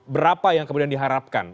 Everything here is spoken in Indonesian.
berapa yang kemudian diharapkan